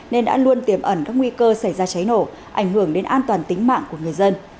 nên đã luôn tiềm ẩn các nguy cơ xảy ra cháy nổ ảnh hưởng đến an toàn tính mạng của người dân